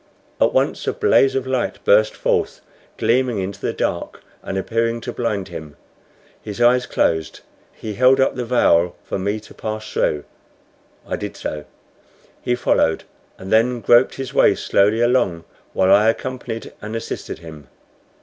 At once a blaze of light burst forth, gleaming into the dark, and appearing to blind him. His eyes closed. He held up the veil for me to pass through. I did so. He followed, and then groped his way slowly along, while I accompanied and assisted him.